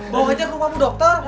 bawa aja ke rumahmu dokter